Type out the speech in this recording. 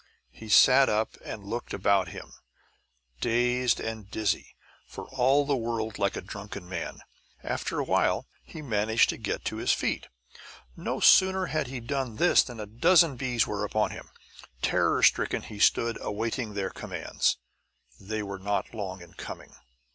He sat up and looked about him, dazed and dizzy, for all the world like a drunken man. After a while he managed to get to his feet. No sooner had he done this than a dozen bees were upon him. Terror stricken, he stood awaiting their commands. They were not long in coming.